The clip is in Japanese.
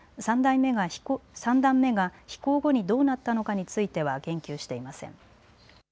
３段目が飛行後にどうなったのかについては言及していません。